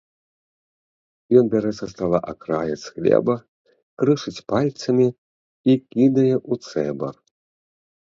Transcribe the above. Ён бярэ са стала акраец хлеба, крышыць пальцамі і кідае ў цэбар.